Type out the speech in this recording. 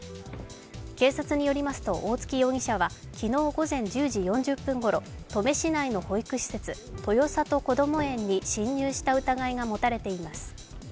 警察によりますと大槻容疑者は昨日午前１０時４０分ごろ、登米市内の保育施設豊里こども園に侵入した疑いが持たれています。